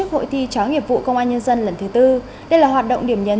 hội thi chó nghiệp vụ công an nhân dân lần thứ tư đây là hoạt động điểm nhấn